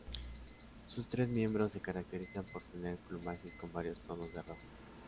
Sus tres miembros se caracterizan por tener plumajes con varios tonos de rojo.